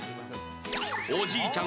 おじいちゃん